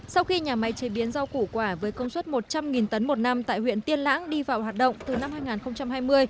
sau khi nhà máy chế biến rau củ quả với công suất một trăm linh tấn một năm tại huyện tiên lãng đi vào hoạt động từ năm hai nghìn hai mươi